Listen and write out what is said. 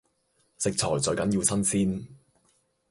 食材最緊要新鮮